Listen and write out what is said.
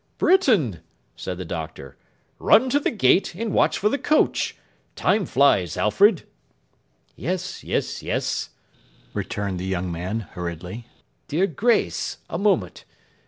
'Britain!' said the Doctor. 'Run to the gate, and watch for the coach. Time flies, Alfred.' 'Yes, sir, yes,' returned the young man, hurriedly. 'Dear Grace! a moment!